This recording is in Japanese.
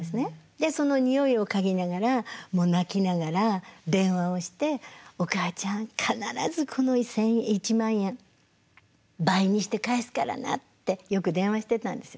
でそのにおいを嗅ぎながらもう泣きながら電話をして「おかあちゃん必ずこの１万円倍にして返すからな」ってよく電話してたんです。